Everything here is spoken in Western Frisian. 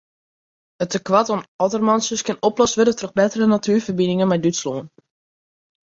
It tekoart oan ottermantsjes kin oplost wurde troch bettere natuerferbiningen mei Dútslân.